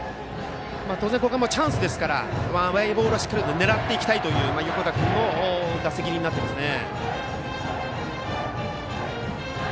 当然、ここもチャンスですから甘いボールはしっかり狙っていきたいという横田君の打席になっていますね。